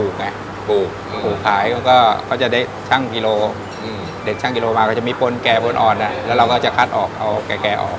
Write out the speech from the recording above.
เด็กช่างอินโลมาก็จะมีปนแก่ปนอ่อนอ่ะแล้วเราก็จะคัดออกเอาแก่แก่ออก